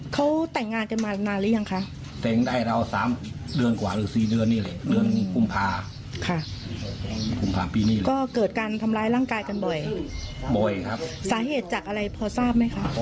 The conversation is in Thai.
ค่ะก็เกิดการทำร้ายร่างกายกันบ่อยสาเหตุจากอะไรพอทราบไหมครับ